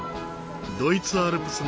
ドイツアルプスの玄関口